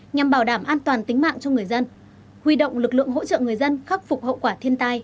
nhằm bảo đảm an toàn tính mạng cho người dân huy động lực lượng hỗ trợ người dân khắc phục hậu quả thiên tai